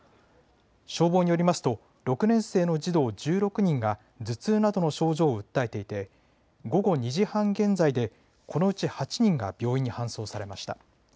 消防によりますと６年生の児童１６人が頭痛などの症状を訴えていて午後２時半現在でこのうち８人が病院に搬送されました。